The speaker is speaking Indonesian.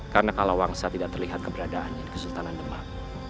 karena kala waksa tidak terlihat keberadaannya di kesultanan demak